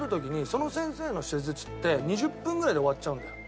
その先生の施術って２０分ぐらいで終わっちゃうんだよ。